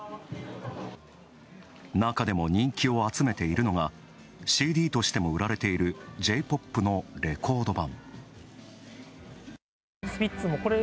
中でも人気を集めているのがＣＤとしても売られているＪ‐ＰＯＰのレコード盤。